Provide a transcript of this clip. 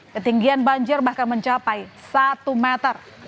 ketinggian banjir bahkan mencapai satu meter